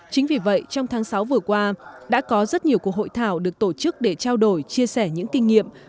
chính vì vậy trong tháng sáu vừa qua đã có rất nhiều cuộc hội thảo được tổ chức để trao đổi chia sẻ những kinh nghiệm